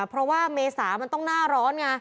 เพราะว่าเมษามันต้องหน้าร้อนไง